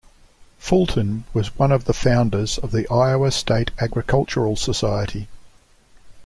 Fulton was one of the founders of the Iowa State Agricultural Society.